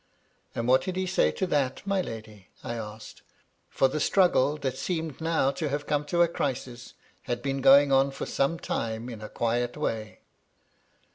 "And what did he say, my lady?" I asked; for the struggle that seemed now to have come to a crisis, had been going on for some time in a quiet way.